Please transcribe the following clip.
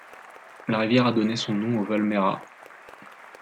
La rivière a donné son nom au Val Maira.